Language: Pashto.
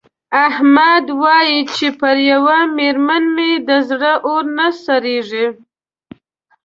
احمد وايې چې پر یوه مېرمن مې د زړه اور نه سړېږي.